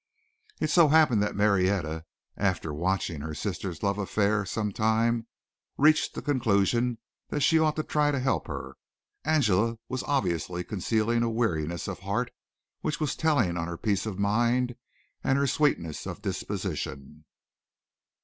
It so happened that Marietta, after watching her sister's love affair some time, reached the conclusion that she ought to try to help her. Angela was obviously concealing a weariness of heart which was telling on her peace of mind and her sweetness of disposition.